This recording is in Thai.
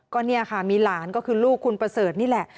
ก็เนี่ยค่ะมีหลานก็คือลูกคุณประเสริฐนี่แหละ